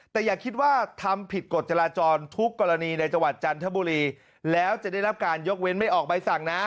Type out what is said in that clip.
แต่อย่าคิดว่าทำผิดกฎจราจรทุกกรณีในจังหวัดจันทบุรีแล้วจะได้รับการยกเว้นไม่ออกใบสั่งนะ